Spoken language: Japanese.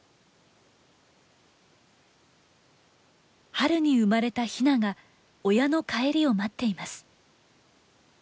春に生まれたヒナが親の帰りを待っています。